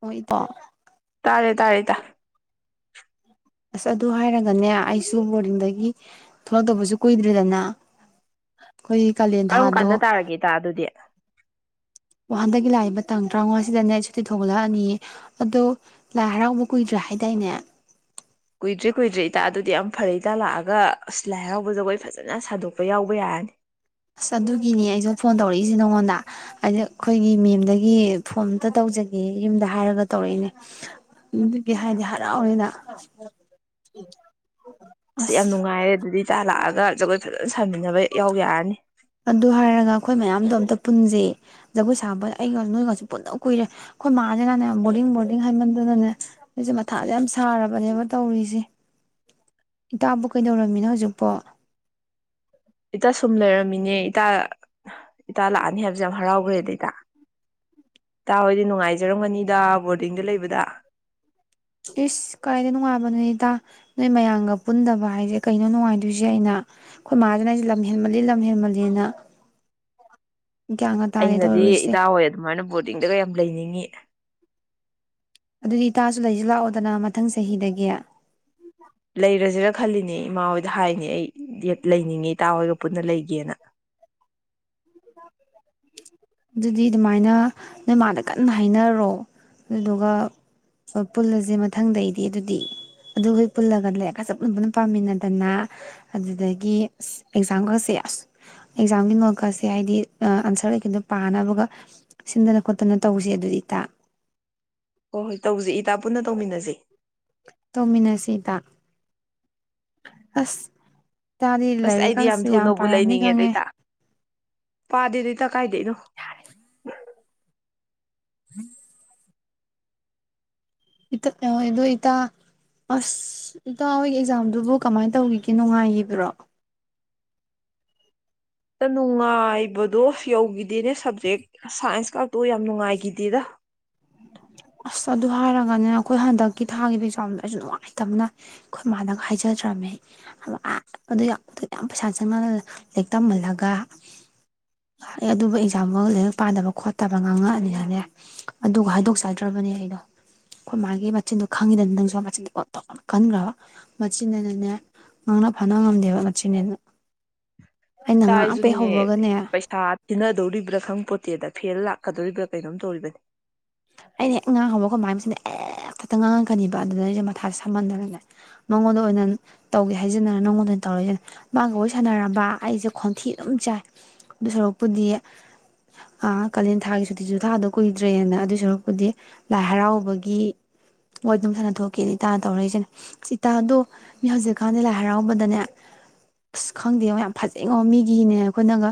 ꯍꯣꯏ ꯏꯇꯥ ꯇꯥꯔꯦ ꯇꯥꯔꯦ ꯏꯇꯥ ꯑꯁ ꯑꯗꯨ ꯍꯥꯏꯔꯒꯅꯦ ꯑꯩꯁꯨ ꯕꯣꯔꯗꯤꯡꯗꯒꯤ ꯊꯣꯛꯂꯛꯇꯕꯁꯨ ꯀꯨꯏꯗꯔ꯭ꯦꯗꯅ ꯀꯔꯝ ꯀꯥꯟꯗ ꯇꯥꯔꯒꯦ ꯏꯇꯥ ꯑꯗꯨꯗꯤ [unintelligible] ꯍꯟꯗꯛꯀꯤ ꯂꯥꯛꯏꯕ ꯇꯥꯡ ꯇꯔꯥꯃꯉꯥꯁꯤꯗꯅꯦ ꯁꯨꯇꯤ ꯊꯣꯛꯂꯛꯑꯅꯤ ꯑꯗꯣ ꯂꯥꯏ ꯍꯔꯥꯎꯕ ꯀꯨꯏꯗ꯭ꯔꯦ ꯍꯥꯏꯗꯥꯏꯅꯦ ꯀꯨꯏꯗ꯭ꯔꯦ ꯀꯨꯏꯗ꯭ꯔꯦ ꯏꯇꯥ ꯑꯗꯨꯗꯤ ꯌꯥꯝ ꯐꯩ ꯏꯇꯥ ꯂꯥꯛꯑꯒ ꯑꯁ ꯂꯥꯏ ꯍꯔꯥꯎꯕ ꯖꯒꯣꯏ ꯐꯖꯅ ꯁꯥꯗꯣꯛꯄ ꯌꯥꯎꯕ ꯌꯥꯔꯅꯤ ꯑꯁ ꯑꯗꯨꯒꯤꯅꯦ ꯑꯩꯁꯨ ꯐꯣꯟ ꯇꯧꯔꯛꯏꯁꯦ ꯅꯉꯣꯟꯗ ꯍꯥꯏꯗꯤ ꯑꯩꯈꯣꯏꯒꯤ ꯃꯦꯝꯗꯒꯤ ꯐꯣꯟ ꯑꯝꯇ ꯇꯧꯖꯒꯦ ꯌꯨꯝꯗ ꯍꯥꯏꯔꯒ ꯇꯧꯔꯛꯏꯅꯦ ꯑꯗꯨꯒꯤ ꯍꯥꯏꯗꯤ ꯍꯔꯥꯎꯅꯤꯗꯥ ꯑꯁ ꯌꯥꯝ ꯅꯨꯡꯉꯥꯏꯔꯦ ꯑꯗꯨꯗꯤ ꯏꯇꯥ ꯂꯥꯛꯑꯒ ꯖꯒꯣꯏ ꯐꯖꯅ ꯁꯥꯃꯤꯟꯅꯕ ꯌꯥꯎ ꯌꯥꯔꯅꯤ ꯑꯗꯨ ꯍꯥꯏꯔꯒ ꯑꯩꯈꯣꯏ ꯃꯌꯥꯝꯗꯣ ꯑꯝꯇ ꯄꯨꯟꯖꯦ ꯖꯒꯣꯏ ꯁꯥꯕ ꯑꯩꯒ ꯅꯣꯏꯒꯁꯨ ꯄꯨꯟꯅ ꯀꯨꯏꯔꯦ ꯑꯩꯈꯣꯏ ꯃꯥꯁꯤꯅꯅꯦ ꯕꯣꯔꯗꯤꯡ ꯕꯣꯔꯗꯤꯡ ꯍꯥꯏꯃꯟꯗꯅꯅꯦ ꯑꯩꯁꯦ ꯃꯊꯥꯁꯦ ꯌꯥꯝ ꯁꯥꯔꯕꯅꯦꯕ ꯇꯧꯔꯤꯁꯦ ꯏꯇꯥꯕꯨ ꯀꯩꯗꯧꯔꯝꯃꯤꯅꯣ ꯍꯧꯖꯤꯛꯄꯣ ꯏꯇ ꯁꯨꯝ ꯂꯩꯔꯝꯃꯤꯅꯦ ꯏꯇꯥ ꯏꯇꯥ ꯂꯥꯛꯑꯅꯤ ꯍꯥꯏꯕꯁꯦ ꯌꯥꯝ ꯍꯔꯥꯎꯈ꯭ꯔꯦꯗ ꯏꯇꯥ ꯏꯇꯥ ꯍꯣꯏꯗꯤ ꯅꯨꯡꯉꯥꯏꯖꯔꯝꯒꯅꯤꯗ ꯕꯣꯔꯗꯤꯡꯗ ꯂꯩꯕꯗ ꯏꯁ ꯀꯥꯏꯗ ꯅꯨꯉꯥꯏ ꯏꯇꯥ ꯅꯣꯏ ꯃꯌꯥꯝꯒ ꯄꯨꯟꯗꯕ ꯍꯥꯏꯁꯦ ꯀꯩꯅꯣ ꯅꯨꯡꯉꯥꯏꯗꯣꯏꯁꯦ ꯑꯩꯅ ꯑꯩꯈꯣꯏ ꯃꯥꯥꯅ ꯑꯩꯁꯦ ꯂꯝ ꯍꯦꯟꯃꯜꯂꯤ ꯂꯝ ꯍꯦꯟꯃꯜꯂꯤꯅ ꯒ꯭ꯌꯥꯟꯒ ꯇꯥꯗꯦ ꯑꯩꯅꯗꯤ ꯇꯧꯔꯨꯔꯤꯁꯦ ꯏꯇꯥ ꯍꯣꯏ ꯑꯗꯨꯃꯥꯏꯅ ꯕꯣꯔꯗꯤꯡꯗꯒ ꯌꯥꯝ ꯂꯩꯅꯤꯡꯉꯤ ꯑꯗꯨꯗꯤ ꯏꯇꯥꯁꯨ ꯂꯩꯁꯨ ꯂꯥꯛꯑꯣꯗꯅ ꯃꯊꯪ ꯆꯍꯤꯗꯒꯤ ꯂꯩꯔꯁꯤꯔ ꯈꯜꯂꯤꯅꯦ ꯏꯃꯥ ꯍꯣꯏꯗ ꯍꯥꯏꯅꯤ ꯑꯩ ꯂꯩꯅꯤꯡꯉꯤ ꯏꯇꯥ ꯍꯣꯏꯒ ꯄꯨꯟꯅ ꯂꯩꯒꯦꯅ ꯑꯗꯨꯗꯤ ꯑꯗꯨꯃꯥꯏꯅ ꯅꯣꯏ ꯃꯥꯗ ꯀꯟꯅ ꯍꯥꯏꯅꯔꯣ ꯑꯗꯨꯗꯨꯒ ꯄꯨꯜꯂꯁꯦ ꯃꯊꯪꯗꯩꯗꯤ ꯑꯗꯨꯗꯤ ꯑꯗꯨꯈꯣꯏ ꯄꯨꯜꯂꯒ ꯂꯩꯔꯒꯖꯞ ꯂꯕꯅ ꯄꯥꯝꯃꯤꯟꯅꯗꯅ ꯑꯗꯨꯗꯒꯤ ꯑꯁ ꯑꯦꯛꯖꯥꯝꯒꯁꯦ ꯑꯁ ꯑꯦꯛꯖꯥꯝꯒꯤꯣꯀꯁꯦ ꯦ ꯍꯥꯏꯗꯤ ꯑꯟꯁꯔ ꯀꯩꯀꯩꯗꯣ ꯄꯥꯅꯕꯒ ꯁꯤꯟꯗꯅ ꯈꯣꯠꯇꯅ ꯇꯧꯁꯦ ꯑꯗꯨꯗꯤ ꯇ ꯍꯣꯏ ꯍꯣꯏ ꯇꯧꯖꯩ ꯏꯇꯥ ꯄꯨꯟꯅ ꯇꯧꯃꯤꯟꯅꯁꯦ ꯇꯧꯃꯤꯟꯅꯁꯤꯗ ꯏꯇꯥ ꯏꯇꯥꯗꯤ ꯑꯁ ꯑꯩꯗꯤ ꯌꯥꯝ ꯂꯥꯏꯔꯤꯛꯀꯁꯨ ꯊꯨꯅꯕꯨ ꯄꯥꯔꯝꯅꯤ ꯈꯪꯉꯦ ꯂꯩꯅꯤꯡꯉꯦꯗꯩꯇ ꯄꯥꯗꯦꯗꯩꯇ ꯀꯥꯏꯗꯩꯅꯣ ꯎꯝ ꯑꯗꯣ ꯏꯇꯥ ꯑꯁ ꯏꯇꯥ ꯍꯣꯏꯒꯤ ꯑꯦꯛꯖꯥꯝꯗꯨꯕꯨ ꯀꯃꯥꯏꯅ ꯇꯧꯈꯤꯒꯦ ꯅꯨꯡꯉꯥꯏꯈꯤꯕ꯭ꯔꯣ ꯅꯨꯡꯉꯥꯏꯕꯗꯣ ꯌꯧꯈꯤꯗꯦꯅꯦ ꯁꯕꯖꯦꯛ ꯁꯥꯏꯟꯁ ꯈꯛꯇꯣ ꯌꯥꯝ ꯅꯨꯡꯉꯥꯏꯈꯤꯗꯦꯗ ꯑꯁ ꯑꯗꯨ ꯍꯥꯏꯔꯒꯅꯤꯅ ꯑꯩꯈꯣꯏ ꯍꯟꯗꯛꯀꯤ ꯊꯥꯒꯤꯈꯤꯕ ꯑꯦꯛꯖꯥꯝꯗꯣ ꯑꯩꯁꯨ ꯅꯨꯡꯉꯥꯏꯇꯕꯅ ꯑꯩꯈꯣꯏ ꯃꯥꯃꯥꯗ ꯍꯥꯏꯖꯗ꯭ꯔꯝꯃꯤ ꯑ ꯑꯗꯨ ꯌꯥꯝ ꯄꯩꯁꯥ ꯆꯪꯉꯅ ꯂꯥꯏꯔꯤꯛ ꯇꯝꯍꯜꯂꯒ ꯑꯩ ꯑꯗꯨꯕꯨ ꯑꯦꯛꯖꯥꯝꯗꯨ ꯂꯥꯏꯔꯤꯛ ꯄꯥꯗꯕ ꯈꯣꯠꯇꯕ ꯉꯥꯡꯉꯛꯑꯅꯤꯅꯅꯦ ꯑꯗꯨꯒ ꯍꯥꯏꯗꯣꯛꯆꯒ ꯅꯠꯇ꯭ꯔꯕꯅꯦ ꯑꯩꯗꯣ ꯑꯩꯈꯣꯏ ꯃꯥꯒꯤ ꯃꯆꯤꯟꯗꯣ ꯈꯪꯉꯤꯗꯅ ꯅꯪꯁꯨ ꯃꯆꯤꯟꯗꯣ ꯀꯣ ꯀꯟꯈ꯭ꯔꯕ ꯃꯆꯤꯟꯦꯅꯅꯦ ꯉꯥꯡꯅ ꯐꯅ ꯉꯝꯗꯦꯕ ꯃꯆꯤꯟꯅ ꯇꯥꯥꯏꯁꯨꯅꯦ ꯄꯩꯁꯥ ꯊꯤꯟꯅꯗꯧꯔꯤꯕ꯭ꯔꯥ ꯈꯪ ꯄꯣꯠꯇꯦꯗ ꯐꯦꯜ ꯂꯥꯛꯀꯗꯣꯔꯤꯕ꯭ꯔꯥ ꯀꯩꯅꯣꯝ ꯇꯧꯔꯤꯕꯅꯤ ꯑꯩꯅ ꯍꯦꯛ ꯉꯥꯡꯍꯧꯕ ꯈꯕꯥꯥꯏꯁꯤꯅ ꯍꯦꯛꯇꯛꯇ ꯉꯥꯡꯉꯛꯀꯅꯤꯕ ꯑꯗꯨꯗꯅ ꯑꯩꯁꯦ ꯃꯊꯥꯁꯦ ꯁꯝꯃꯟꯗꯅꯅꯦ ꯃꯉꯣꯟꯗ ꯑꯣꯏꯅ ꯇꯧꯒꯦ ꯍꯥꯏꯖꯅꯔ ꯅꯉꯣꯟꯗ ꯑꯣꯏꯅ ꯇꯧꯔꯏꯁꯤ ꯃꯥꯒ ꯋꯥꯔꯤ ꯁꯥꯟꯅꯔꯕ ꯑꯩꯁꯦ ꯈꯣꯟꯊꯤ ꯑꯗꯨꯝ ꯆꯥꯏ ꯑꯗꯨ ꯁꯔꯨꯛꯄꯨꯗꯤ ꯀꯥꯂꯦꯟ ꯊꯥꯒꯤ ꯁꯨꯇꯤꯁꯨ ꯊꯥꯗꯣ ꯀꯨꯏꯗ꯭ꯔꯦꯅ ꯑꯗꯨ ꯁꯨꯔꯛꯄꯨꯗꯤ ꯂꯥꯏ ꯍꯔꯥꯎꯕꯒꯤ ꯋꯥꯔꯤ ꯑꯗꯨꯝ ꯁꯥꯟꯅ ꯊꯣꯛꯀꯦꯅ ꯏꯇꯥ ꯇꯧꯔꯛꯏꯁꯤꯦꯅꯦ ꯏꯇꯥꯗꯣ ꯃꯤ ꯍꯧꯖꯤꯛꯀꯥꯟꯗꯤ ꯂꯥꯏ ꯍꯔꯥꯎꯕꯗꯅꯦ ꯑꯁ ꯈꯪꯗꯦꯕ ꯌꯥꯝ ꯐꯖꯩꯉꯣ ꯃꯤꯒꯤꯅꯦ ꯑꯩꯈꯣꯏꯅꯒ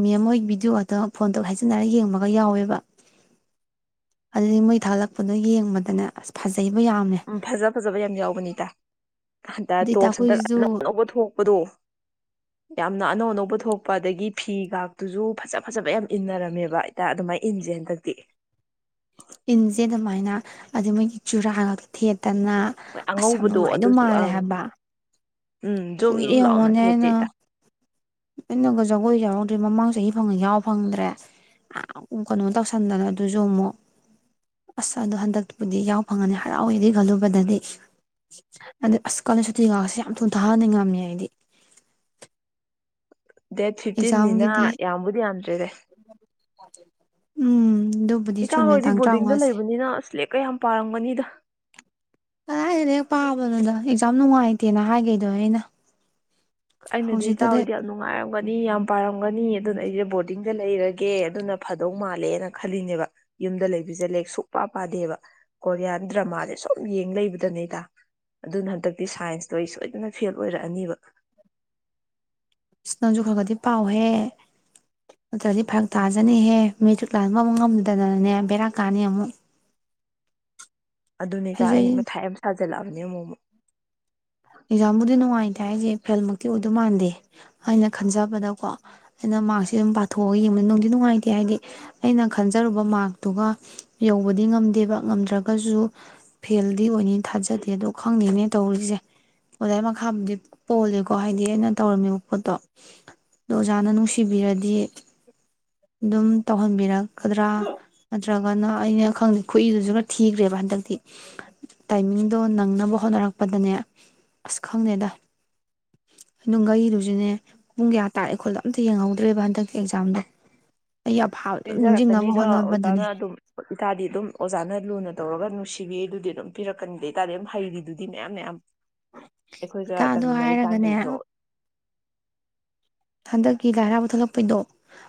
ꯃꯤ ꯑꯃꯣꯏ ꯚꯤꯗꯤꯑꯣ ꯑꯇ ꯐꯣꯟꯗ ꯍꯥꯏꯖꯤꯟꯅꯔ ꯌꯦꯡꯕꯒ ꯌꯥꯎꯋꯦꯕ ꯑꯗꯨꯗꯤ ꯃꯣꯏ ꯊꯥꯂꯛꯄꯗꯣ ꯌꯦꯡꯕꯗꯅꯦ ꯑꯁ ꯐꯖꯩ ꯎꯝ ꯐꯖ ꯐꯖꯕ ꯌꯥꯝ ꯌꯥꯎꯒꯅꯤꯗ ꯟꯇꯥ ꯑꯗꯨ ꯏꯇꯥ ꯇꯣꯞꯁ ꯍꯟꯇꯛ ꯑꯩꯈꯣꯏꯁꯨ ꯑꯅꯧ ꯑꯅꯧꯕ ꯊꯣꯛꯄꯗꯣ ꯌꯥꯝꯅ ꯑꯅꯧ ꯑꯅꯧꯕ ꯄꯨꯊꯣꯛꯄ ꯑꯗꯒꯤ ꯐꯤꯒꯥꯛꯇꯨꯁꯨ ꯐꯖ ꯐꯖꯕ ꯌꯥꯝ ꯏꯟꯅꯔꯝꯃꯦꯕ ꯍꯥꯏꯇꯥ ꯑꯗꯨꯃꯥꯏꯅ ꯏꯟꯁꯦ ꯍꯟꯗꯛꯇꯤ ꯑꯗꯨ ꯃꯣꯏꯒꯤ ꯆꯨꯔꯥ ꯉꯥꯛꯇ ꯊꯦꯠꯄꯦ ꯅꯠꯇꯅ ꯍꯣꯏ ꯑꯁꯝ ꯑꯉꯧꯕꯗꯣ ꯅꯨꯡꯉꯥꯏꯗꯧ ꯑꯗꯨꯁꯨ ꯃꯥꯜꯂꯦ ꯑꯪ ꯍꯥꯏꯕ ꯎꯝ ꯖꯝ ꯖꯝ ꯂꯥꯎꯅ ꯊꯦ ꯆꯦ ꯇ ꯑꯩꯅꯣꯒ ꯖꯒꯣꯏ ꯌꯥꯎꯔꯧꯗ꯭ꯦ ꯃꯃꯥꯡ ꯆꯍꯤ ꯐꯪꯉ ꯌꯥꯎ ꯐꯪꯗ꯭ꯔꯦ ꯀꯩꯅꯣ ꯇꯧꯁꯟꯗꯅ ꯑꯗꯨꯁꯨ ꯑꯃꯨꯛ ꯑꯁ ꯑꯗꯨ ꯍꯟꯗꯛꯇꯄꯗꯤ ꯌꯥꯎ ꯐꯪꯉꯅꯤ ꯍꯔꯥꯎꯋꯦꯗꯤ ꯈꯜꯂꯨꯕꯗꯗꯤ ꯑꯗꯨꯗ ꯑꯁ ꯀꯜꯂ ꯁꯨꯇꯤꯒꯁꯤꯦ ꯌꯥꯝ ꯊꯨꯊꯥꯍꯟꯅꯤꯡ ꯉꯝꯃꯦ ꯑꯩꯗꯤ ꯗꯦꯠ ꯐꯤꯐꯇꯤꯟꯅꯤꯅ ꯑꯦꯛꯖꯥꯝꯒꯤꯗꯤ ꯌꯥꯝꯕꯨꯗꯤ ꯌꯥꯝꯗ꯭ꯔꯦꯗꯦ ꯎꯝ ꯑꯗꯨꯕꯨꯗꯤ ꯏꯇꯥꯡ ꯆꯨꯝꯃꯦ ꯍꯣꯏꯗꯤ ꯇꯥꯡ ꯕꯣꯔꯗꯤꯡꯗ ꯇꯔꯥꯃꯉꯥꯁꯦ ꯂꯩꯕꯅꯤꯅ ꯁ꯭ꯂꯦꯦꯛꯀ ꯌꯥꯝ ꯄꯥꯔꯝꯕꯅꯤꯗ ꯀꯗꯥꯏꯗ ꯍꯦꯛ ꯄꯥꯕꯅꯣꯗꯣ ꯑꯦꯛꯖꯥꯝ ꯅꯨꯡꯉꯥꯏꯇꯦꯅ ꯍꯥꯏꯒꯦꯗꯣ ꯑꯩꯅ ꯑꯩꯅꯗꯤ ꯍꯧꯖꯤꯛꯇꯗꯤ ꯇꯥꯑꯣꯏꯗꯤ ꯌꯥꯝ ꯅꯨꯡꯉꯥꯏꯔꯝꯒꯅꯤ ꯃꯤ ꯌꯥꯝ ꯄꯥꯔꯝꯒꯅꯤ ꯑꯗꯨꯅ ꯑꯩꯁꯦ ꯕꯣꯔꯗꯤꯡꯗ ꯂꯩꯔꯒꯦ ꯑꯗꯨꯅ ꯐꯗꯧ ꯃꯥꯜꯂꯦꯅ ꯈꯜꯂꯤꯅꯦꯕ ꯌꯨꯝꯗ ꯂꯩꯕꯤꯁꯂꯦ ꯁꯨꯡꯛ ꯄ ꯄꯥꯗꯦꯕ ꯀꯣꯔꯤꯌꯥꯟ ꯗ꯭ꯔꯃꯥꯁꯦ ꯁꯨꯝ ꯌꯦꯡ ꯂꯩꯕꯗꯅꯦꯗ ꯑꯗꯨꯅ ꯍꯟꯗꯛꯇꯤ ꯁꯥꯏꯟꯁꯇꯣ ꯑꯩ ꯁꯣꯏꯗꯅ ꯐꯦꯜ ꯑꯣꯏꯔꯛꯑꯅꯤꯕ ꯅꯪꯖꯨ ꯈꯒꯗꯤ ꯄꯥꯎꯍꯦ ꯅꯠꯇ꯭ꯔꯗꯤ ꯐꯔꯛ ꯇꯥꯖꯅꯤꯍꯦ ꯃꯦꯇ꯭ꯔꯤꯛ ꯂꯥꯛ ꯉꯝꯕ ꯉꯝꯗꯗꯅꯅꯦ ꯕꯦꯔꯥꯛ ꯀꯥꯅꯤ ꯑꯃꯨꯛ ꯑꯗꯨꯅꯦꯒ ꯑꯩ ꯃꯊꯥꯏ ꯑꯃ ꯁꯥꯖꯤꯜꯂꯛꯑꯕꯅꯦ ꯑꯃꯨꯛꯛ ꯑꯦꯛꯖꯥꯝꯕꯨꯗꯤ ꯅꯨꯡꯉꯥꯏꯇꯦ ꯍꯥꯏꯁꯦ ꯐꯦꯜꯃꯛꯇꯤ ꯑꯣꯏꯗꯧ ꯃꯥꯟꯗꯦ ꯍꯥꯏꯅ ꯈꯟꯖꯕꯗꯀꯣ ꯑꯩꯅ ꯃꯥꯔꯛꯁꯦ ꯑꯗꯨꯝ ꯄꯥꯊꯣꯛꯑꯒ ꯌꯦꯡꯕꯅꯤ ꯅꯨꯡꯗꯤ ꯅꯨꯡꯉꯥꯏꯇꯦ ꯍꯥꯏꯗꯤ ꯑꯩꯅ ꯈꯟꯖꯔꯨꯕ ꯃꯥꯔꯇꯨꯒ ꯌꯧꯕꯗꯤ ꯉꯝꯗꯦꯕ ꯉꯝꯗ꯭ꯔꯒꯁꯨ ꯐꯦꯜꯗꯤ ꯑꯣꯏꯅꯤ ꯊꯥꯖꯗꯦ ꯑꯗꯣ ꯈꯪꯗꯦꯅꯦ ꯇꯧꯔꯤꯁꯦ ꯑꯣꯖꯥ ꯃꯈꯥꯕꯨꯗꯤ ꯄꯣꯜꯂꯦꯀꯣ ꯍꯥꯏꯗꯤ ꯑꯩꯅ ꯇꯧꯔꯝꯃꯤꯕ ꯄꯣꯠꯇꯣ ꯑꯗꯣ ꯑꯣꯖꯥꯅ ꯅꯨꯡꯁꯤꯕꯤꯔꯗꯤ ꯑꯗꯨꯝ ꯇꯧꯍꯟꯕꯤꯔꯛꯀꯗ꯭ꯔꯥ ꯅꯠꯇ꯭ꯔꯒꯅ ꯑꯩꯅ ꯈꯪꯗꯦ ꯈꯨꯏꯗꯨꯁꯨ ꯈꯔ ꯊꯤꯈ꯭ꯔꯦꯕ ꯍꯟꯗꯛꯇꯤ ꯇꯥꯏꯃꯤꯡꯗꯣ ꯅꯪꯅꯕ ꯍꯣꯠꯅꯔꯛꯄꯗꯅꯦ ꯑꯁ ꯈꯪꯗꯦꯗ ꯑꯗꯨꯅꯨꯡ ꯉꯩꯗꯨꯁꯨꯅꯦ ꯄꯨꯡ ꯀꯌꯥ ꯇꯥꯔꯦ ꯈꯨꯣꯜꯗꯣ ꯑꯝꯇ ꯌꯦꯡꯍꯧꯗ꯭ꯔꯦꯕ ꯍꯟꯗꯛꯇꯤ ꯑꯦꯛꯖꯥꯝꯗꯣ ꯑꯩ ꯑꯐꯥꯕ ꯑꯗꯨꯝ ꯅꯤꯡꯁꯤꯡꯅꯕ ꯄꯤꯖꯔꯛꯀꯅꯤꯗꯣ ꯑꯣꯖꯥꯅ ꯍꯣꯠꯅꯕꯗꯅꯦ ꯑꯗꯨꯝ ꯏꯁꯥꯗꯤ ꯑꯗꯨꯝ ꯑꯣꯖꯥꯅ ꯂꯨꯅ ꯇꯧꯔꯒ ꯅꯨꯡꯁꯤ ꯄꯤꯚꯤ ꯑꯗꯨꯗꯤ ꯑꯗꯨꯝ ꯄꯤꯔꯛꯀꯅꯤꯗꯕꯇꯥꯥꯔꯗꯤ ꯑꯗꯨ ꯍꯩꯔꯤꯗꯨꯗꯤ ꯃꯌꯥꯝ ꯃꯌꯥꯝ ꯑꯩꯈꯣꯏꯒ ꯏꯇꯥꯗꯣ ꯇꯝꯃꯤꯟꯅꯔꯤ ꯍꯥꯏꯔꯒꯅꯦ ꯀꯥꯟꯗꯩꯁꯨ ꯍꯟꯗꯛꯀꯤ ꯂꯥꯏꯔꯥꯎ ꯊꯂꯛꯄꯩꯗꯣ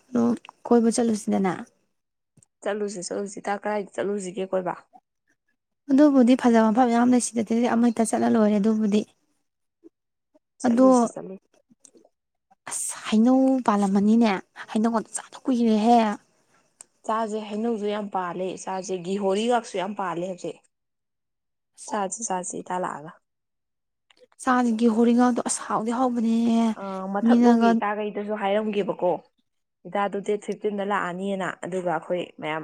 ꯑꯗꯣ ꯀꯣꯏꯕ ꯆꯠꯂꯨꯁꯤꯗꯅ ꯆꯠꯂꯨꯁꯤ ꯆꯠꯂꯨꯁꯤ ꯇ ꯀꯗꯥꯏꯗ ꯆꯠꯂꯨꯁꯤꯒꯦ ꯀꯣꯏꯕ ꯑꯗꯨꯕꯨꯗꯤ ꯐꯖꯕ ꯃꯐꯝ ꯃꯌꯥꯝ ꯂꯩ ꯁꯤꯗꯗꯤꯗꯤ ꯑꯃ ꯍꯛꯇ ꯆꯠꯂ ꯂꯣꯏꯔꯦ ꯑꯗꯨꯕꯨꯗꯤ ꯑꯗꯣ ꯆꯂꯨꯁꯤ ꯆꯂꯨ ꯑꯁ ꯍꯩꯅꯧ ꯄꯥꯜꯂꯝꯃꯅꯤꯅꯦ ꯍꯩꯅꯧ ꯆꯥꯅ ꯀꯨꯏꯔꯦꯍꯦ ꯆꯥꯁꯦ ꯍꯩꯅꯧꯁꯨ ꯌꯥꯝ ꯄꯥꯜꯂꯦ ꯆꯥꯁꯦ ꯒꯤꯍꯣꯔꯤꯒꯥꯛꯁꯨ ꯌꯥꯝ ꯄꯥꯜꯂꯦ ꯍꯧꯖꯤꯛ ꯆꯁꯤ ꯆꯁꯤ ꯇꯥꯜꯂꯛꯑꯒ ꯆꯥꯒꯤ ꯍꯣꯔꯤꯉꯜꯗꯣ ꯑꯁ ꯍꯥꯎꯗꯤ ꯍꯥꯎꯕ ꯑ ꯑꯥ ꯃꯊꯛꯂꯣꯝꯒꯤ ꯃꯤꯅꯒ ꯏꯇꯥꯈꯩꯗꯁꯨ ꯍꯥꯏꯔꯝꯒꯦꯕꯀꯣ ꯏꯇꯥꯗ ꯗꯦꯠ ꯐꯤꯐꯇꯤꯟꯗ ꯂꯥꯛꯑꯅꯤꯅ ꯑꯗꯨꯒ ꯑꯩꯈꯣꯏ ꯃꯌꯥꯝ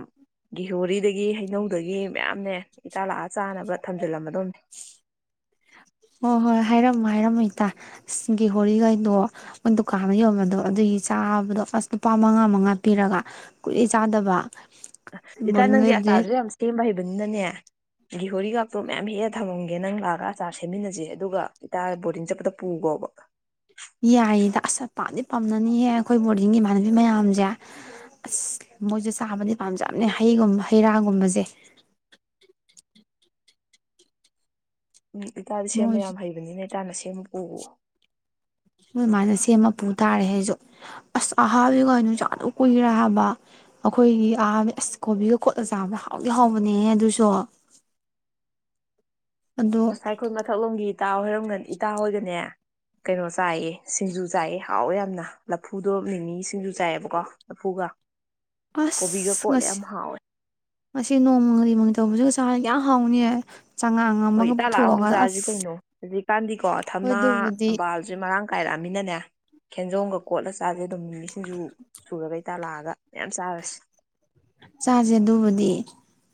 ꯒꯤꯍꯣꯔꯤꯗꯒꯤ ꯍꯩꯅꯧꯗꯒꯤ ꯃꯌꯥꯝꯅꯦ ꯏꯇꯥ ꯂꯥꯛꯑ ꯆꯥꯅꯕ ꯊꯝꯖꯤꯜꯂꯝꯃꯗꯧꯅꯦ ꯍꯣꯏ ꯍꯣꯏ ꯍꯥꯏꯔꯝꯃꯣ ꯍꯥꯏꯔꯝꯃ ꯏꯇꯥꯒꯤ ꯍꯣꯣꯔꯈꯩꯗꯣ ꯃ ꯗꯨꯀꯥꯟꯗ ꯌꯣꯟꯝꯕꯗꯣ ꯑꯗꯨꯒꯤ ꯆꯥꯕꯗꯣ ꯑꯁ ꯂꯨꯄꯥ ꯃꯉꯥ ꯃꯉꯥ ꯄꯤꯔꯒ ꯀꯨꯂꯦ ꯆꯥꯗꯕ ꯏꯇꯥ ꯕꯣꯔꯗꯤꯡ ꯅꯪꯗꯤ ꯂꯩꯕꯁꯦ ꯑꯇꯥꯔꯁꯨ ꯌꯥꯝ ꯁꯦꯝꯕ ꯍꯩꯕꯅꯤꯅꯅꯦ ꯒꯍꯣꯔꯤꯒꯥꯛꯇꯣ ꯃꯌꯥꯝ ꯍꯦꯛꯂ ꯊꯝꯃꯝꯒꯦ ꯅꯪ ꯂꯥꯛꯑꯒ ꯑꯆꯥꯔ ꯁꯦꯝꯃꯤꯟꯅꯁꯦ ꯑꯗꯨꯒ ꯏꯇꯥ ꯕꯣꯔꯗꯤꯡ ꯆꯠꯄꯗ ꯄꯨꯈꯣꯕ ꯌꯥꯏꯌꯦꯗ ꯑꯁ ꯄꯥꯗꯤ ꯄꯥꯝꯅꯅꯤꯌꯦꯦ ꯑꯩꯈꯣꯏ ꯕꯣꯔꯗꯤꯡꯒꯤ ꯏꯃꯥꯟꯅꯕꯤ ꯃꯌꯥꯝꯁꯦ ꯑꯁ ꯃꯣꯏꯁꯨꯦ ꯆꯥꯕꯗꯤ ꯄꯥꯝꯖꯕꯅꯦ ꯍꯩꯒꯨꯝꯕ ꯍꯩ ꯔꯥꯒꯨꯝꯕꯁꯦ ꯎꯝ ꯏꯇꯥꯗꯤ ꯁꯦꯝꯕ ꯃꯣꯏꯁꯨ ꯌꯥꯝ ꯍꯩꯕꯅꯤꯅꯦ ꯇꯥꯟꯅ ꯁꯦꯝ ꯑꯃꯨ ꯎꯎ ꯁꯃꯥꯏꯅ ꯁꯦꯝ ꯃ ꯄꯨ ꯇꯥꯔꯦ ꯍꯥꯏ ꯑꯩꯁꯨ ꯑꯁ ꯑꯍꯥꯕꯤꯒ ꯍꯥꯏꯩꯅꯁꯨꯥ ꯑꯗꯨ ꯀꯨꯏꯈꯔꯦ ꯍꯥꯏꯕ ꯑꯩꯈꯣꯏꯒꯤ ꯑꯍꯥꯕꯤ ꯑꯁ ꯀꯣꯕꯤꯒ ꯈꯣꯠꯂ ꯆꯥꯕꯗ ꯍꯥꯎꯗꯤ ꯍꯥꯎꯕꯅꯦ ꯑꯗꯨꯁꯨ ꯑꯗꯣ ꯉꯁꯥꯏꯈꯜ ꯃꯊꯛꯂꯣꯝꯒꯤ ꯏꯇꯥ ꯍꯔꯝꯒ ꯏꯇꯥ ꯍꯣꯏꯒꯅꯦ ꯀꯩꯅꯣ ꯆꯥꯏꯌꯦ ꯁꯤꯡꯖꯨ ꯆꯥꯏꯌꯦ ꯍꯥꯎꯋꯦ ꯌꯥꯝꯅ ꯂꯐꯨꯗꯣ ꯅꯤꯅꯤ ꯁꯤꯡꯖꯨ ꯆꯥꯏꯑꯕꯀꯣ ꯂꯐꯨꯒ ꯀꯣꯕꯤꯒ ꯀꯣꯠꯂꯦ ꯑꯁꯃꯁ ꯌꯥꯝ ꯍꯥꯎꯋꯦ ꯃꯁꯤ ꯅꯣꯡꯃꯔꯤꯃꯩ ꯇꯧꯕꯁꯨꯒ ꯆꯅ ꯌꯥꯝ ꯍꯥꯎꯅꯤꯌꯦ ꯍꯣꯏ ꯏꯇꯥ ꯂꯥꯛꯑ ꯑꯃꯨꯛ ꯆꯥꯔꯁꯤ ꯀꯩꯅꯣ ꯍꯧꯖꯤꯛꯀꯥꯟꯗꯤꯀꯣ ꯍꯣꯏ ꯊꯝꯅꯥ ꯑꯗꯨꯕꯨꯗꯤ ꯊꯝꯕꯥꯜꯁꯦ ꯃꯔꯥꯡ ꯀꯥꯏꯔꯛꯑꯃꯤꯅꯅꯦ ꯈꯦꯟꯖꯣꯝꯒ ꯀꯣꯠꯂ ꯆꯥꯥꯁꯦ ꯑꯗꯨꯝꯃꯤ ꯁꯤꯡꯖꯨ ꯁꯨꯔꯒꯩ ꯇꯥꯜꯂꯛꯑꯒ ꯆꯥꯁꯦ ꯑꯗꯨꯕꯨꯗꯤ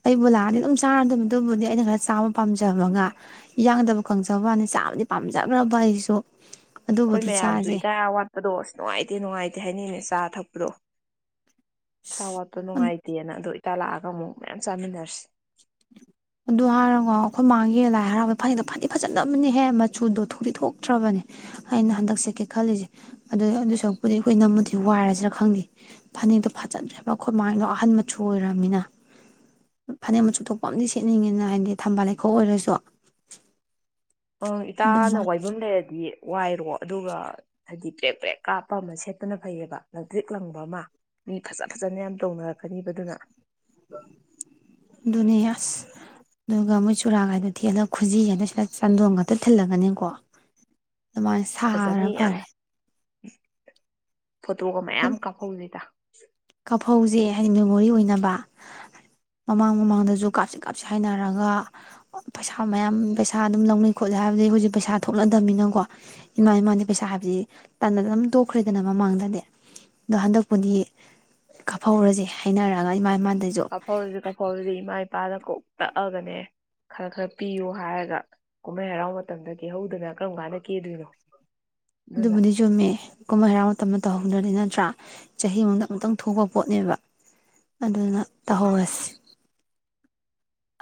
ꯑꯩꯕꯨ ꯂꯥꯛꯑꯗꯤ ꯑꯗꯨꯝ ꯆꯥꯔꯗꯕ ꯑꯗꯨꯕꯨꯗꯤ ꯑꯩꯅ ꯈꯔ ꯆꯥꯕ ꯄꯥꯝꯖꯕꯒ ꯌꯥꯡꯗꯕ ꯈꯪꯖꯕꯅꯤ ꯆꯥꯕꯗꯤ ꯄꯥꯝꯖꯈ꯭ꯔꯕ ꯑꯩꯁꯨ ꯑꯩꯈꯣꯏ ꯑꯗꯨꯕꯨꯗꯤ ꯃꯌꯥꯝꯁꯨ ꯆꯥꯁꯦ ꯏꯇꯥ ꯑꯋꯥꯠꯄꯗꯣ ꯑꯁ ꯅꯨꯡꯉꯥꯏꯇꯦ ꯅꯨꯡꯉꯥꯏꯇꯦ ꯍꯥꯏꯅꯤꯡꯩꯅꯦ ꯆꯥ ꯊꯛꯄꯗꯣ ꯊꯋꯥꯇꯣꯅ ꯍꯥꯏꯥꯏꯇꯑꯅ ꯑꯗꯨꯣ ꯇꯂꯑꯒ ꯑꯃꯨꯛ ꯃꯌꯥꯝ ꯆꯃꯤꯟꯅꯔꯁꯤ ꯑꯗꯨ ꯍꯥꯏꯔꯒꯣ ꯑꯩꯈꯣꯏ ꯃꯥꯡꯒꯤꯦ ꯂꯥꯏ ꯍꯔꯥꯎꯕꯩ ꯐꯅꯛꯇꯣ ꯐꯗꯤꯦꯛ ꯐꯖꯟꯗꯕꯅꯦꯍꯦ ꯃꯆꯨꯗꯣ ꯊꯨꯗꯤ ꯊꯣꯛꯇ꯭ꯔꯕꯅꯦ ꯑꯩꯅ ꯍꯟꯗꯛ ꯆꯠꯀꯦ ꯈꯜꯂꯤꯁꯦ ꯑꯗꯨ ꯑꯗꯨ ꯁꯔꯄꯨꯗꯤ ꯑꯩꯈꯣꯏ ꯅꯝꯃꯨꯗꯤ ꯋꯥꯏꯔꯁꯤꯅ ꯈꯪꯗꯦ ꯐꯅꯛꯇꯣ ꯐꯖꯗ꯭ꯔꯦꯕ ꯑꯩꯈꯣꯏ ꯃꯥꯡꯗꯣ ꯑꯍꯟ ꯃꯆꯨ ꯑꯣꯏꯔꯕꯅꯤꯅ ꯐꯅꯦꯛ ꯃꯆꯨ ꯊꯣꯛꯄ ꯑ ꯈꯦꯠꯅꯤꯡꯉꯤꯅ ꯍꯥꯏꯗꯤ ꯊꯝꯕꯥꯜ ꯂꯩꯈꯣꯛ ꯑꯣꯏꯔꯁꯨ ꯑꯪ ꯏꯇꯥꯅ ꯑꯗꯨꯃ ꯋꯥꯏꯕꯨꯝ ꯂꯩꯔꯗꯤ ꯋꯥꯏꯔꯣ ꯑꯗꯨꯒ ꯍꯥꯏꯗꯤ ꯕ꯭ꯔꯦꯛ ꯕ꯭ꯔꯦꯛ ꯀꯥꯞꯄ ꯑꯃ ꯁꯦꯠꯇꯅ ꯐꯩꯌꯦꯕ ꯂꯛꯇ꯭ꯔꯤꯛ ꯂꯪꯕ ꯑꯃ ꯃꯤ ꯐꯖ ꯐꯖꯅ ꯌꯥꯝ ꯇꯧꯅꯔꯛꯀꯅꯤꯕꯗꯨꯅ ꯑꯗꯨꯅꯦ ꯑꯁ ꯑꯗꯨꯒ ꯃꯣꯏ ꯆꯨꯔꯥ ꯍꯥꯏꯥꯏꯗ ꯊꯦꯛꯑꯒ ꯈꯨꯖꯤ ꯍꯥꯏꯗ ꯁꯤꯗ ꯆꯥꯟꯗꯣꯡ ꯉꯥꯛꯇ ꯊꯤꯜꯂꯒꯅꯤꯀꯣ ꯑꯗꯨꯃꯥꯏꯅ ꯁꯥꯔ ꯐꯖꯅꯤ ꯐꯔꯦ ꯌꯥꯝꯅ [inaudible] ꯐꯣꯇꯣꯒ ꯃꯌꯥꯝ ꯀꯥꯞꯍꯧꯗꯦꯗ ꯁ ꯑꯐꯧꯁꯦ ꯍꯥꯏꯗꯤ ꯃꯦꯃꯣꯔꯤ ꯑꯣꯏꯅꯕ ꯃꯃꯥꯡ ꯃꯃꯥꯡꯗꯁꯨ ꯀꯥꯞꯁꯤ ꯀꯥꯞꯁꯤ ꯍꯥꯏꯅꯔꯒ ꯄꯩꯁꯥ ꯃꯌꯥꯝ ꯄꯩꯁꯥ ꯑꯗꯨꯝ ꯂꯧꯅꯩ ꯈꯣꯠꯂꯤ ꯍꯥꯏꯕꯗꯤ ꯍꯧꯖꯤꯛ ꯄꯩꯁꯥ ꯊꯣꯛꯂꯗꯕꯅꯤꯅꯀꯣ ꯏꯃ ꯏꯃꯅ ꯄꯩꯁꯥ ꯍꯥꯏꯞꯗꯤ ꯇꯅ ꯑꯗꯨꯝ ꯇꯣꯛꯈ꯭ꯔꯦꯗꯅ ꯃꯃꯥꯡꯗꯗꯤ ꯑꯗꯣ ꯍꯟꯗꯛꯄꯨꯗꯤ ꯀꯥꯞꯍꯧꯔꯁꯦ ꯍꯥꯏꯅꯔꯛꯑꯒ ꯏꯃꯥ ꯃꯥ ꯀꯐꯥꯎꯔꯁꯤ ꯀꯐꯥꯎꯁꯤ ꯏꯃꯥꯏ ꯅꯨꯄꯥꯗ ꯀꯣꯛ ꯇꯛꯑꯒꯅꯦ ꯈꯔ ꯈꯔ ꯄꯤꯌꯨ ꯍꯥꯏꯔꯒ ꯀꯨꯝꯍꯩ ꯍꯔꯥꯎ ꯃꯇꯝꯗ ꯀꯦꯍꯧꯗꯅ ꯀꯔꯝ ꯀꯥꯟꯗ ꯀꯦꯗꯣꯏꯅꯣ ꯑꯗꯨꯅ ꯑꯗꯨꯕꯨꯅꯤ ꯆꯨꯝꯃꯦ ꯀꯨꯝꯍꯩ ꯍꯩꯔꯥꯎ ꯃꯇꯝꯗ ꯇꯧꯍꯧꯗ꯭ꯔꯗꯤ ꯅꯠꯇ꯭ꯔꯥ ꯆꯍꯤꯃꯨꯗ ꯑꯃꯨꯛꯇꯪ ꯊꯣꯛꯄ ꯄꯣꯠꯅꯦꯕ ꯑꯗꯨꯅ ꯇꯧꯍꯧꯔꯁꯤ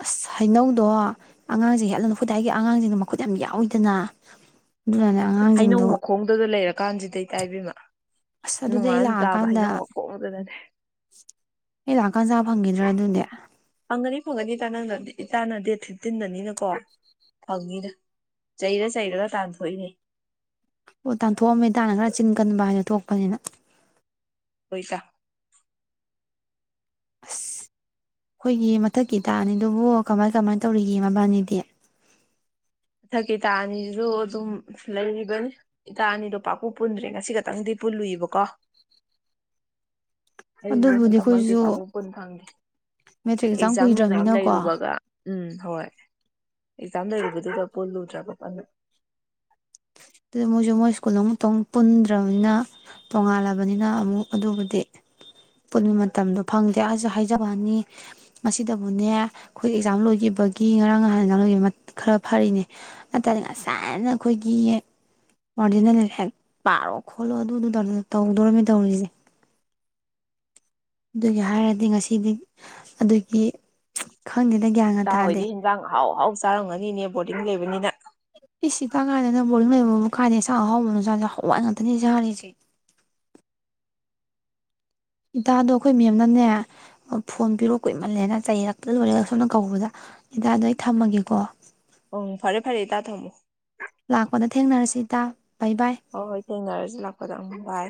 ꯑꯁ ꯍꯩꯅꯧꯗꯣ ꯑꯉꯥꯡꯁꯤꯡ ꯍꯠꯂꯅꯨ ꯈꯨꯗꯥꯏꯒꯤ ꯑꯉꯥꯡꯁꯤꯡꯅ ꯃꯈꯨꯠ ꯌꯥꯝ ꯌꯥꯎꯋꯤꯗꯅ ꯑꯗꯨꯗꯅꯦ ꯑꯉꯥꯡꯁꯤꯡꯗꯨ ꯀꯥꯟꯁꯤꯗꯩ ꯇꯥꯏꯕꯤꯃ ꯑꯗꯨꯗꯤ ꯑꯩ ꯅꯨꯡꯉꯥꯏꯅ ꯇꯥꯕ ꯂꯥꯛꯑꯀꯥꯟꯗ ꯍꯥꯏꯩꯅ ꯀꯣꯛꯉꯗꯗꯅꯦ ꯍ ꯂꯥꯛ ꯀꯥꯟꯖꯥ ꯐꯪꯈꯤꯗ꯭ꯔꯥ ꯑꯗꯨꯅꯦ ꯐꯒꯅꯤ ꯇ ꯅꯪꯗ ꯏꯇꯥꯅ ꯗꯦꯠ ꯐꯤꯐꯇꯤꯟꯗꯅꯤꯅꯀꯣ ꯐꯪꯅꯤꯗ ꯆꯩꯔ ꯆꯩꯔꯒ ꯇꯥꯟꯊꯣꯛꯏꯅꯦ ꯑꯣ ꯇꯥꯟꯊꯣꯛꯑꯝꯃꯦ ꯇꯥꯟꯅ ꯈꯔ ꯆꯤꯟ ꯀꯟꯕ ꯍꯥꯏꯅ ꯊꯣꯛꯄꯅꯤꯅ ꯄꯩꯁꯥ ꯑꯁ ꯑꯩꯈꯣꯏꯒꯤ ꯃꯊꯛꯀꯤ ꯇꯥꯛꯅꯤ ꯑꯗꯨꯕꯨ ꯀꯃꯥꯏ ꯀꯃꯥꯏ ꯇꯧꯔꯤꯒꯦ ꯃꯕꯥꯅꯤꯗꯤ ꯃꯊꯛꯀꯤ ꯏꯇꯥ ꯑꯅꯤꯁꯤꯁꯨ ꯑꯗꯨꯝ ꯂꯩꯔꯤꯕꯅꯤ ꯏꯇꯥ ꯑꯅꯤꯗꯣ ꯄꯥꯛꯄꯨ ꯄꯨꯟꯗ꯭ꯔꯦ ꯉꯁꯤ ꯈꯛꯇꯪꯗꯤ ꯄꯨꯜꯂꯨꯏꯕꯀꯣ ꯑꯩ ꯑꯗꯨꯕꯨꯗꯤ ꯁꯟꯇꯃꯛꯇꯤ ꯑꯩꯈꯣꯏꯁꯨ ꯄꯥꯎꯈꯨꯝ ꯀꯨꯟ ꯐꯪꯗꯦ ꯃꯦꯇ꯭ꯔꯤꯛ ꯑꯦꯛꯖꯥꯝ ꯅꯨꯡꯖꯥꯝ ꯀꯨꯏꯗ꯭ꯔꯕꯅꯤꯅꯀꯣ ꯂꯩꯔꯨꯕꯒ ꯎꯝ ꯍꯣꯏ ꯑꯦꯛꯖꯥꯝ ꯂꯩꯗꯨꯗ ꯄꯨꯣꯜꯂꯨ ꯆꯒꯄꯅꯤ ꯑꯗꯨꯗ ꯃꯣꯏꯁꯨ ꯃꯣꯏ ꯁ꯭ꯀꯨꯜ ꯑꯃꯛꯇꯪ ꯄꯨꯟꯗ꯭ꯔꯕꯅꯤꯅ ꯇꯣꯡꯉꯥꯜꯂꯕꯅꯤꯅ ꯑꯃꯨꯛ ꯑꯗꯨꯕꯨꯗꯤ ꯄꯨꯟꯕ ꯃꯇꯝꯗꯣ ꯐꯪꯗꯦ ꯑꯁꯨ ꯍꯥꯏꯖꯕꯅꯤ ꯃꯁꯤꯗꯕꯨꯅꯦ ꯑꯩꯈꯣꯏ ꯑꯦꯛꯖꯥꯝ ꯂꯣꯏꯈꯤꯕꯒꯤ ꯉꯔꯥꯡ ꯅꯍꯥꯟ ꯑꯦꯛꯖꯥꯝ ꯂꯣꯏꯈꯤꯕ ꯈꯔ ꯐꯔꯤꯅꯦ ꯑꯗꯨ ꯇꯔꯗꯤ ꯉꯁꯥꯏꯅ ꯑꯩꯈꯣꯏꯒꯤ ꯑꯣꯔꯤꯖꯤꯅꯦꯜ ꯍꯦꯛ ꯄꯥꯔꯣ ꯈꯣꯠꯂꯣ ꯑꯗꯨꯗꯨꯗꯧꯅ ꯇꯧꯗꯣꯔꯝꯅꯤ ꯇꯧꯔꯤꯁꯦ ꯑꯗꯨꯒꯤ ꯍꯥꯏꯔꯗꯤ ꯉꯁꯤꯗꯤ ꯑꯗꯨꯒꯤ ꯈꯪꯗꯦꯗ ꯒ꯭ꯌꯥꯟꯒ ꯆꯥ ꯇꯥꯗꯦ ꯍꯣꯏꯗꯤ ꯍꯟꯖꯥꯡ ꯍꯥꯎ ꯍꯥꯎ ꯆꯥꯔꯝꯒꯅꯤꯅꯦꯕ ꯕꯣꯔꯗꯤꯡ ꯂꯩꯕꯅꯤꯅ ꯄꯤꯁꯁꯤ ꯇꯥꯡ ꯀꯥꯏꯗꯅ ꯕꯣꯔꯤꯡ ꯂꯩꯕꯕꯨ ꯀꯥꯏꯗꯦ ꯆꯥꯛ ꯑꯍꯥꯎꯕ ꯆꯥꯁꯦ ꯍꯋꯥꯏ ꯉꯥꯛꯇꯅꯦ ꯁꯥꯔꯤꯁꯦ ꯏꯇꯥꯗꯣ ꯑꯩꯈꯣꯏ ꯃꯦꯝꯅꯅꯦ ꯐꯣꯟ ꯄꯤꯔꯛꯑꯣ ꯀꯨꯏꯃꯜꯂꯦꯅ ꯆꯩꯔꯛꯇ ꯂꯣꯏꯔꯦꯒ ꯁꯣꯝꯅ ꯀꯧꯕꯗ ꯏꯇꯥꯗꯣ ꯑꯩ ꯊꯝꯃꯒꯦꯀꯣ ꯑꯣ ꯐꯔꯦ ꯐꯔꯦ ꯏ ꯇ ꯊꯝꯃꯣ ꯀꯨ ꯍꯣꯏ ꯍꯣꯏ ꯊꯦꯡꯅꯔꯁꯤ ꯂꯥꯛꯄꯗꯝ ꯕꯥꯏ